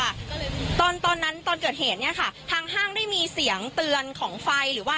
ก็เลยตอนตอนนั้นตอนเกิดเหตุเนี้ยค่ะทางห้างได้มีเสียงเตือนของไฟหรือว่า